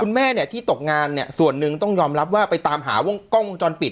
แม่เนี่ยที่ตกงานเนี่ยส่วนหนึ่งต้องยอมรับว่าไปตามหาวงกล้องวงจรปิด